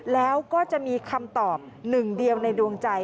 แล้วก็จะมีคำตอบหนึ่งเดียวในดวงใจ